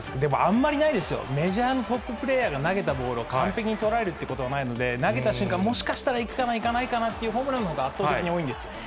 でも、あんまりないですよ、メジャープレーヤーが投げたボールを完璧に捉えるってことはないので、投げた瞬間、もしかしたら、行くかな、行かないかなというホームランのほうが圧倒的に多いんです。